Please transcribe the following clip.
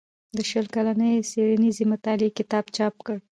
د شل کلنې څيړنيزې مطالعې کتاب چاپ کړ